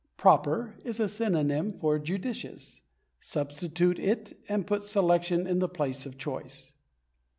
"Proper" is a synonym for "judicious"; substitute it, and put "selection" in the place of "choice."